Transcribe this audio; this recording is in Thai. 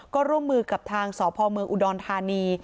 ก็ร่วมมือกับทางสพเมืองอุดรธานี